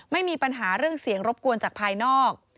ไม่มีปัญหาเรื่องเสียงรบกวนจากภายนอก